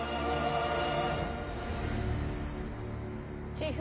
チーフ。